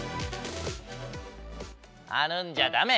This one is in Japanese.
あるんじゃだめ！